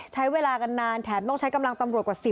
ใช้เวลากันนานแถมต้องใช้กำลังตำรวจกว่า๑๐